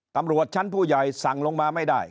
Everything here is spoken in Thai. ตำรวจชั้นผู้ใหญ่สั่งลงมาไม่ได้